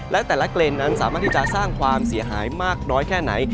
และแต่ละเกรนนั้นสามารถที่จะสร้างความเสียหายมากน้อยแค่ไหน